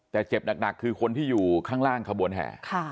แต่เจ็บหนักคือคนที่อยู่ข้างล่างขบวนแห่